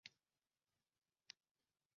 总代表吉钟华。